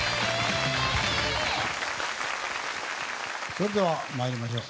それでは参りましょう。